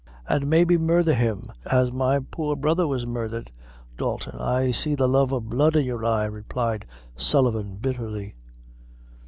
"An' maybe murdher him, as my poor brother was murdhered. Dalton, I see the love of blood in your eye," replied Sullivan, bitterly.